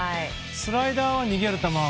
スライダーは逃げる球。